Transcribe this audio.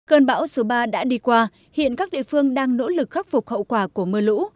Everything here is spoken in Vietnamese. cơn bão số ba đã đi qua hiện các địa phương đang nỗ lực khắc phục hậu quả của mưa lũ